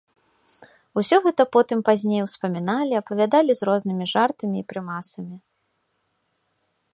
Усё гэта потым, пазней, успаміналі, апавядалі з рознымі жартамі і прымасамі.